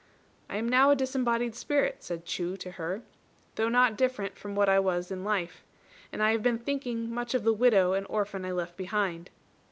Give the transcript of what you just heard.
"I am now a disembodied spirit," said Chu to her, "though not different from what I was in life; and I have been thinking much of the widow and orphan I left behind."